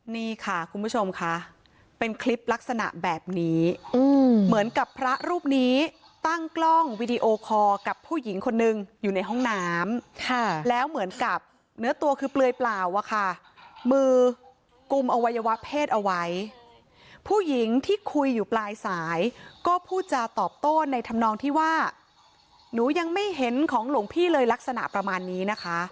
นี่ค่ะคุณผู้ชมค่ะเป็นคลิปลักษณะแบบนี้เหมือนกับพระรูปนี้ตั้งกล้องวิดีโอคอร์กับผู้หญิงคนนึงอยู่ในห้องน้ำแล้วเหมือนกับเนื้อตัวคือเปลือยเปล่าอะค่ะมือกุมอวัยวะเพศเอาไว้ผู้หญิงที่คุยอยู่ปลายสายก็พูดจาตอบโต้ในธรรมนองที่ว่าหนูยังไม่เห็นของหลวงพี่เลยลักษณะประมาณนี้นะคะ